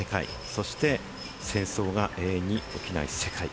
そして戦争が永遠に起きない世界。